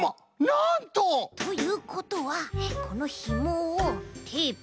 なんと！ということはこのひもをテープで。